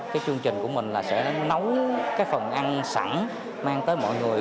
cái chương trình của mình là sẽ nấu cái phần ăn sẵn mang tới mọi người